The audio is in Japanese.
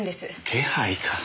気配か。